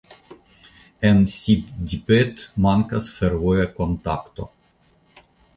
En Siddipet mankas fervoja kontakto.